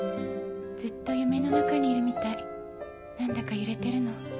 ずっと夢の中にいるみたい何だか揺れてるの。